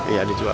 iya di jual